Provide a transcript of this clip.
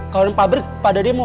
kalian pabrik pada demo